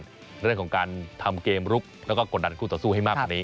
เรื่องของการทำเกมลุกแล้วก็กดดันคู่ต่อสู้ให้มากกว่านี้